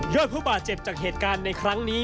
ผู้บาดเจ็บจากเหตุการณ์ในครั้งนี้